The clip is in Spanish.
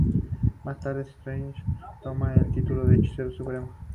Más tarde, Strange toma el título de Hechicero Supremo.